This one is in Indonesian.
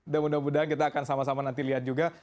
dan mudah mudahan kita akan sama sama nanti lihat juga